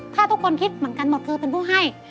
ถ้าทุกคนคิดเหมือนกันหมดคือเป็นผู้ให้